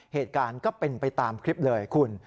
เหตุการณ์ก็เป็นไปตามคลิปเลยคุณ